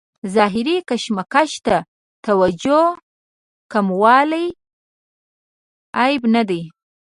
ظاهري کشمکش ته توجه کموالی عیب نه دی.